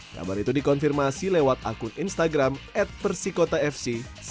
kabar itu dikonfirmasi lewat akun instagram atpersikotafc seribu sembilan ratus sembilan puluh empat